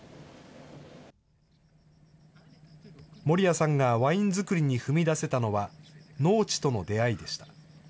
森谷さんがワイン造りに踏み出せたのは、農地との出会いでした。